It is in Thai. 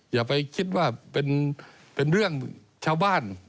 อย่าไปคิดว่าเป็นเรื่องชาวบ้าน